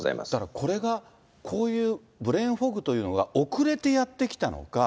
これが、こういうブレーンフォグというのが遅れてやって来たのか、